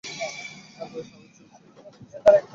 তাঁর বয়স আশি ছুঁই ছুঁই করছিল।